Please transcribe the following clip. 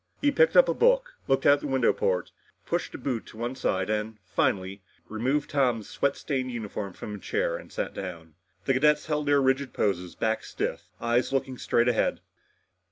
He picked up a book, looked out of the window port, pushed a boot to one side and, finally, removed Tom's sweat stained uniform from a chair and sat down. The cadets held their rigid poses, backs stiff, eyes looking straight ahead.